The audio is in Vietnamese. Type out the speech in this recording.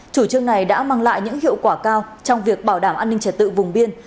chủ trương này đã mang lại những hiệu quả cao trong việc bảo đảm an ninh trật tự vùng biên